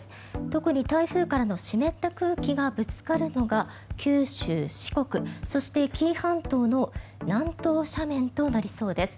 特に台風からの湿った空気がぶつかるのが九州、四国そして紀伊半島の南東斜面となりそうです。